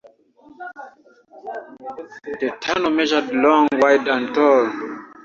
The tunnel measured long, wide, and tall.